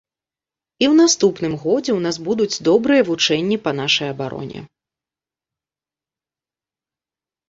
І ў наступным годзе ў нас будуць добрыя вучэнні па нашай абароне.